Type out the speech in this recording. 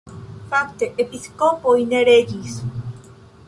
Fakte episkopoj ne regis.